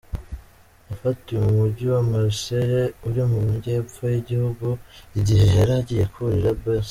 Yafatiwe mu mujyi wa Marseilles uri mu majyepfo y’igihugu igihe yaragiye kurira bus.